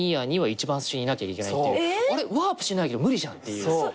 あれっワープしなきゃ無理じゃんっていう。